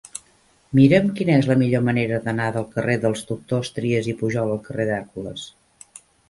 Mira'm quina és la millor manera d'anar del carrer dels Doctors Trias i Pujol al carrer d'Hèrcules.